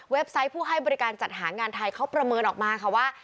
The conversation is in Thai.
ไซต์ผู้ให้บริการจัดหางานไทยเขาประเมินออกมาค่ะว่า